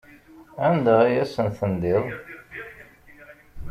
Anda ay asen-tendiḍ?